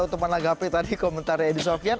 untuk menanggapi tadi komentarnya edi sofian